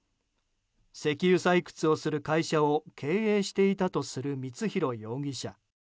石油採掘をする会社を経営していたとする光弘容疑者。